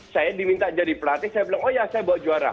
saya diminta jadi pelatih saya bilang oh ya saya bawa juara